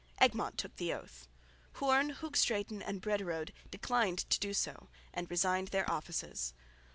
Egmont took the oath; Hoorn, Hoogstraeten and Brederode declined to do so and resigned their offices.